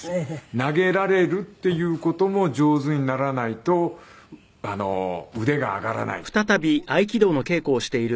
投げられるっていう事も上手にならないと腕が上がらないって交代するんですけど。